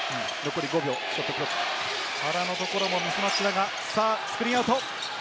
原のところもミスマッチだが、スクリーンアウト。